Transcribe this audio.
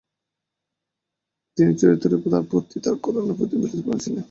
তিনি চিরতরে তার প্রতি এবং তার কারণের প্রতি নিবেদিত প্রাণ ছিলেন।